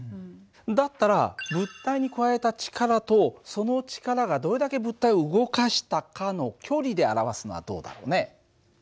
だったら物体に加えた力とその力がどれだけ物体を動かしたかの距離で表すのはどうだろうね？